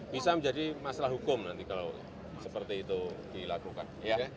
bisa menjadi masalah hukum nanti kalau seperti itu dilakukan